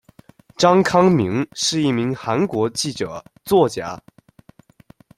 张康明是一名韩国记者、作家。